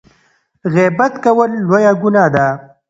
غیبت کول لویه ګناه ده.